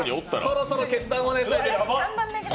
そろそろ決断をお願いします。